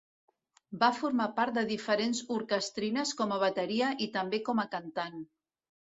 Va formar part de diferents orquestrines com a bateria i també com a cantant.